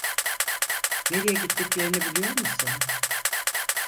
Nereye gittiklerini biliyor musun?